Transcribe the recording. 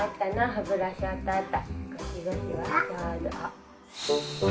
歯ブラシあったあった。